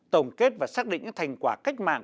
tổng kết và xác định thành quả cách mạng